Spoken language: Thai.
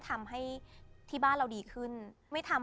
เจอหมดเลยค่ะ